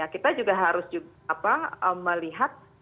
kita juga harus melihat